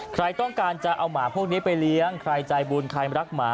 ใครต้องการจะเอาหมาพวกนี้ไปเลี้ยงใครใจบุญใครรักหมา